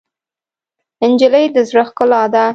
نجلۍ د زړه ښکلا ده.